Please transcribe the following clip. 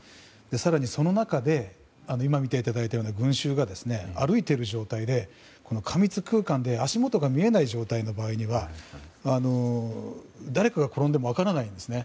更に、その中で今見ていただいたような群衆が歩いている状態で過密空間で足元が見えない状態の場合には誰かが転んでも分からないんですね。